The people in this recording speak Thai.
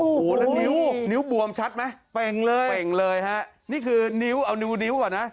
โอ้โหนั่นนิ้วนิ้วบวมชัดมั้ยเป็นเลยฮะนี่คือนิ้วเอานิ้วก่อนนะ